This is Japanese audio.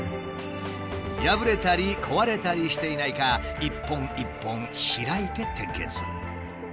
破れたり壊れたりしていないか一本一本開いて点検する。